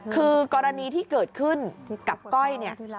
คือกรณีที่เกิดขึ้นกับก้อยเนี่ย